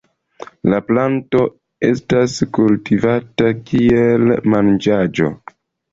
La planto estas kultivata kiel manĝaĵo.